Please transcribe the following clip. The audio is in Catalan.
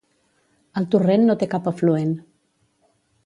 El torrent no té cap afluent.